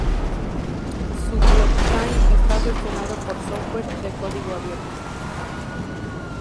Su "blockchain" está gestionado por software de código abierto.